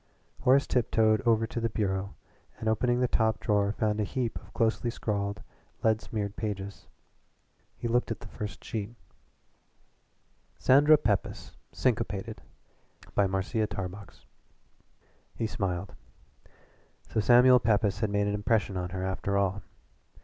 Horace tiptoed over to the bureau and opening the top drawer found a heap of closely scrawled, lead smeared pages. He looked at the first sheet: SANDRA PEPYS, SYNCOPATED BY MARCIA TARBOX He smiled. So Samuel Pepys had made an impression on her after all.